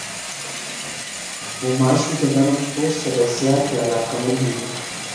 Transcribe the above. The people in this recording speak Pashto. غوماشې د نرم پوست سره زیاتې علاقمندې دي.